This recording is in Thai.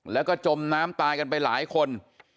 แล้วก็จมน้ำตายกันไปหลายคน